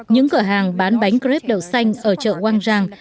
những cửa hàng bán bánh greép đậu xanh ở chợ quang giang